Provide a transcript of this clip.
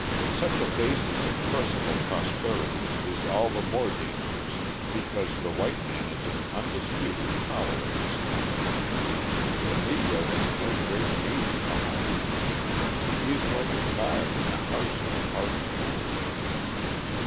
Such a basis of personal prosperty is all the more dangerous because the white man is in undisputed power in this country; the Negro has no great navy behind him; he is like a child in the house of a harsh parent.